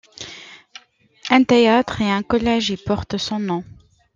Un théâtre et un collège y portent son nom.